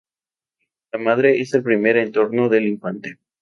La madre es el primer entorno del infante.